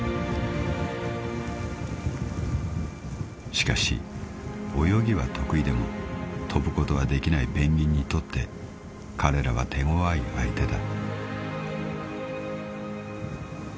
［しかし泳ぎは得意でも飛ぶことはできないペンギンにとって彼らは手ごわい相手だ］